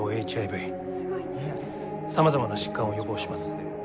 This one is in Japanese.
さまざまな疾患を予防します。